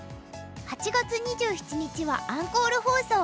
８月２７日はアンコール放送。